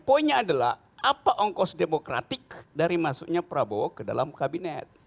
poinnya adalah apa ongkos demokratik dari masuknya prabowo ke dalam kabinet